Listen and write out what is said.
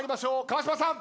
川島さん。